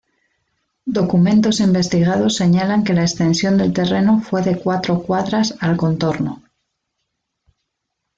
Documentos investigados señalan que la extensión del terreno fue de cuatro cuadras al contorno.